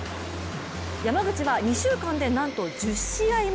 山口は２週間で、なんと１０試合目。